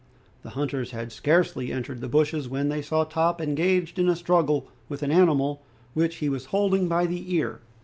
The hunters had scarcely entered the bushes when they saw Top engaged in a struggle with an animal which he was holding by the ear.